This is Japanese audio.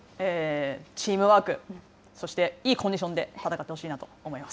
チームワーク、そしていいコンディションで戦ってほしいなと思